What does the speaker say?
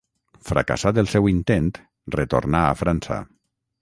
Fracassat el seu intent, retornà a França.